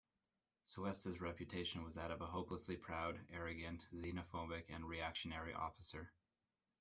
Cuesta's reputation was that of a hopelessly proud, arrogant, xenophobic, and reactionary officer.